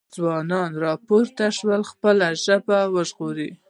ځوانانو راپورته شئ خپله ژبه وژغورئ۔